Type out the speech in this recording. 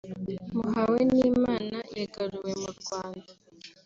Muhawenimana wagaruwe mu Rwanda